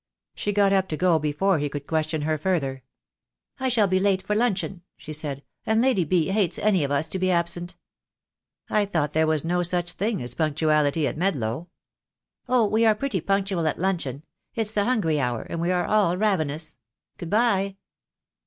She got up to go before he could question her further. "I shall be late for luncheon," she said, "and Lady B. hates any of us to be absent!" "I thought there was no such thing as punctuality at Medlow." THE DAY WILL COME. 2 0. "Oh, we are pretty punctual at luncheon. It's the hungry hour, and we are all ravenous. Good bye."